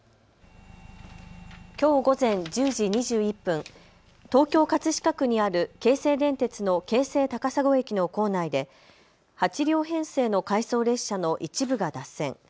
きょう午前１０時２１分、東京葛飾区にある京成電鉄の京成高砂駅の構内で８両編成の回送列車の一部が脱線。